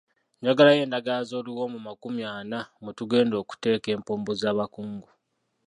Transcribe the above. Njagalayo endagala z'oluwombo makumi ana mwe tugenda okuteeka empombo z'abakungu.